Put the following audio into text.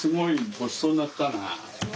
ごちそうになったな。ね！